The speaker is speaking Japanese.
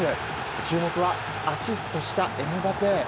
注目は、アシストしたエムバペ。